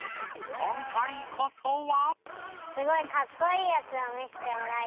今回こそは。